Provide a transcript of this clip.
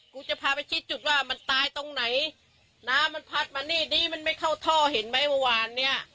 กูจะพาไปชี้จุดว่ามันตายตรงไหนน้ำมันพัดมานี่นี้มันไม่เข้าท่อเห็นไหมเมื่อวานเนี้ย